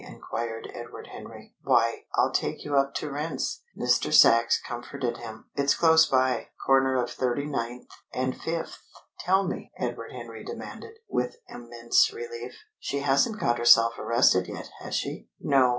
inquired Edward Henry. "Why! I'll take you up to Rent's," Mr. Sachs comforted him. "It's close by corner of Thirty ninth and Fifth." "Tell me," Edward Henry demanded, with immense relief. "She hasn't got herself arrested yet, has she?" "No.